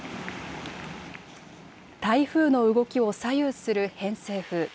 台風の動きを左右する偏西風。